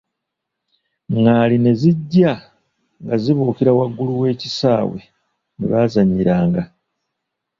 Ngaali ne zijja nga zibukira wagulu w'ekisaawe mwe baazanyira nga.